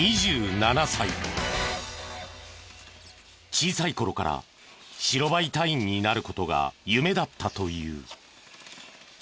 小さい頃から白バイ隊員になる事が夢だったという。